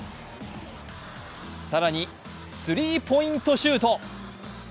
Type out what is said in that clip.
更に、スリーポイントシュート。